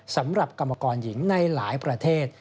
สำหรับกรรมกรหญิงในหลายประเทศ